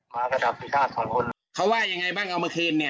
มากับดับภิกษาส่วนคนเขาว่ายังไงบ้างเอามาเคลียนเนี้ย